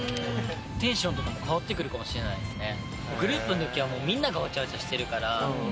テンションとかも変わってくるかもしれないですね。